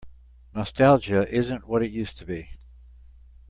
Nostalgia isn't what it used to be.